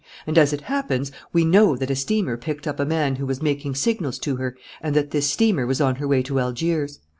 And, as it happens, we know that a steamer picked up a man who was making signals to her and that this steamer was on her way to Algiers.